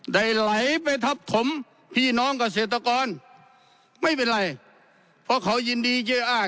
ไหลไปทับถมพี่น้องเกษตรกรไม่เป็นไรเพราะเขายินดีเย้อ้า